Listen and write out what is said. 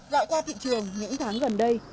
lại qua thị trường những tháng gần đây